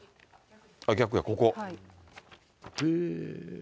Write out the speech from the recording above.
逆や、ここ。